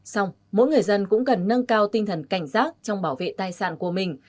xong mỗi người dân cũng cần nâng cao tinh thần cảnh giác trong bảo vệ tài sản của mình